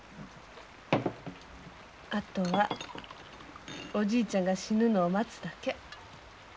あとはおじいちゃんが死ぬのを待つだけ。